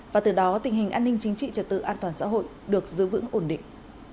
và từ đó tình hình an ninh chính trị trật tự an toàn xã hội được giữ vững ổn định